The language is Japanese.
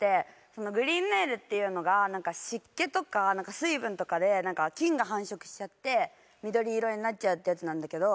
そのグリーンネイルっていうのが何か湿気とか水分とかで菌が繁殖しちゃって緑色になっちゃうってやつなんだけど。